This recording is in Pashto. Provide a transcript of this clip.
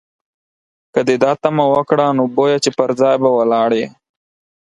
که دې دا تمه وکړه، نو بویه چې پر ځای به ولاړ یې.